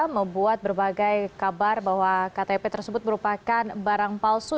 membuat berbagai kabar bahwa ktp tersebut merupakan barang palsu